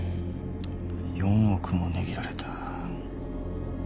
「４億も値切られた」